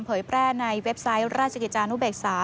เผยแพร่ในเว็บไซต์ราชกิจจานุเบกษา